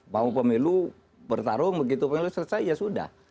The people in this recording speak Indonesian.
mau pemilu bertarung begitu pemilu selesai ya sudah